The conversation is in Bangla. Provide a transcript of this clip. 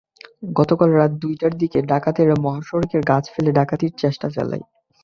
গতকাল রাত দুইটার দিকে ডাকাতেরা মহাসড়কে গাছ ফেলে ডাকাতির চেষ্টা চালায়।